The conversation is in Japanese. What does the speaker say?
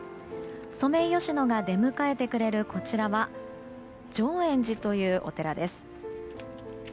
ソメイヨシノが出迎えてくれるこちらは常圓寺というお寺です。